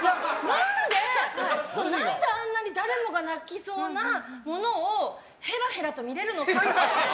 何であんなに誰もが泣きそうなものをへらへらと見れるのかって。